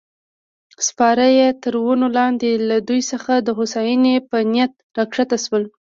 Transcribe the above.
سپاره یې تر ونو لاندې له دوی څخه د هوساینې په نیت راکښته شول.